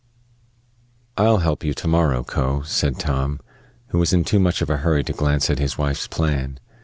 "I'll help you to morrow, Co," said Tom, who was in too much of a hurry to glance at his wife's plan.